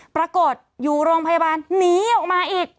ปรากฏอยู่โรงพยาบาลหนีออกมาอีก